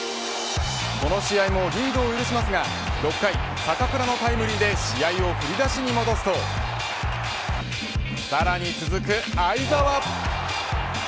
この試合もリードを許しますが６回、坂倉のタイムリーで試合を振り出しに戻すとさらに続く會澤。